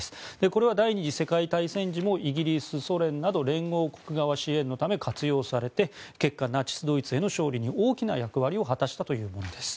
これは第２次世界大戦時もイギリス、ソ連など連合国側支援のため活用されて結果、ナチス・ドイツへの勝利に大きな役割を果たしたというものです。